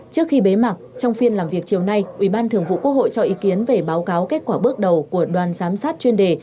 trước khi bế mạc trong phiên làm việc chiều nay ủy ban thường vụ quốc hội cho ý kiến về báo cáo kết quả bước đầu của đoàn giám sát chuyên đề